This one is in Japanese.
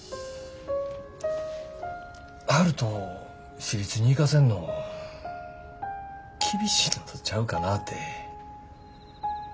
悠人私立に行かせんの厳しいのとちゃうかなぁて。